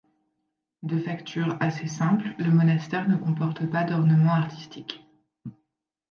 De facture assez simple, le monastère ne comporte pas d'ornement artistique.